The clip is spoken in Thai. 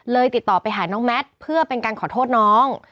ติดต่อไปหาน้องแมทเพื่อเป็นการขอโทษน้อง